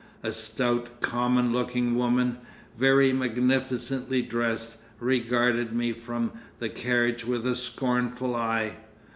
A stout, common looking woman, very magnificently dressed, regarded me from the carriage with a scornful eye.